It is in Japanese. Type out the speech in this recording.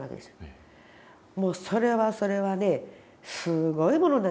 もうそれはそれはねすごいものなんです。